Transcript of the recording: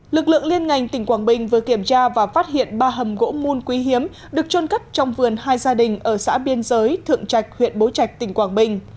lực lượng liên ngành tỉnh quảng bình vừa kiểm tra và phát hiện ba hầm gỗ mùn quý hiếm được trôn cất trong vườn hai gia đình ở xã biên giới thượng trạch huyện bố trạch tỉnh quảng bình